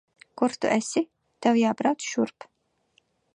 Kur tu esi? Tev jābrauc šurp.